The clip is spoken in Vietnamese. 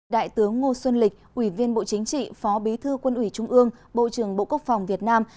đại tướng ngô xuân lịch ủy viên bộ chính trị phó bí thư quân ủy trung ương bộ trưởng bộ quốc phòng việt nam